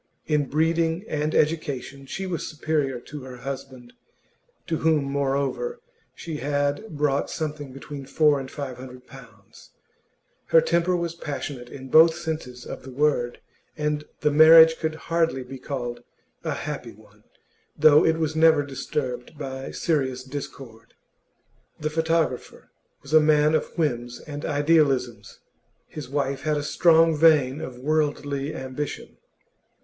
In breeding and education she was superior to her husband, to whom, moreover, she had brought something between four and five hundred pounds; her temper was passionate in both senses of the word, and the marriage could hardly be called a happy one, though it was never disturbed by serious discord. The photographer was a man of whims and idealisms; his wife had a strong vein of worldly ambition.